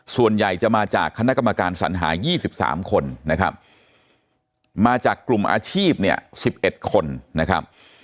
ส่วนใหญ่จะมาจากคณะกรรมการสัญหา๒๓คนนะครับมาจากกลุ่มอาชีพเนี่ย๑๑คนนะครับ